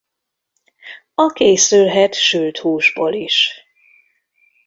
A készülhet sült húsból is.